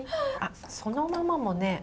あっそのままもね